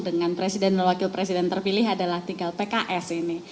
dengan presiden dan wakil presiden terpilih adalah tinggal pks ini